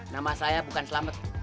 nama saya bukan selamet